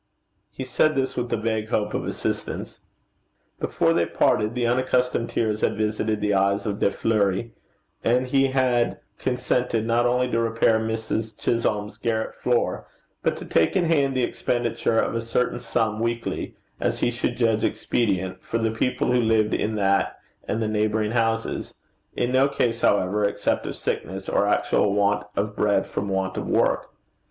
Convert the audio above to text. He said this with a vague hope of assistance. Before they parted, the unaccustomed tears had visited the eyes of De Fleuri, and he had consented not only to repair Mrs. Chisholm's garret floor, but to take in hand the expenditure of a certain sum weekly, as he should judge expedient, for the people who lived in that and the neighbouring houses in no case, however, except of sickness, or actual want of bread from want of work.